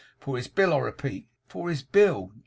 For his bill. I repeat it for his bill.